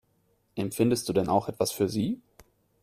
Empfindest du denn auch etwas für sie?